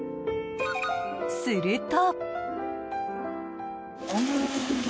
すると。